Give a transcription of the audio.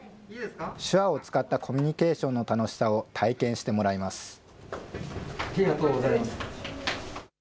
手話を使ったコミュニケーションの楽しさを体験してもらいます。